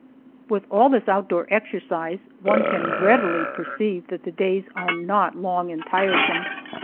With all this outdoor exercise, one can readily perceive that the days are not long and tiresome.